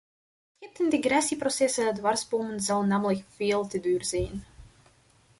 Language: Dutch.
Het integratieproces dwarsbomen zou namelijk veel te duur zijn.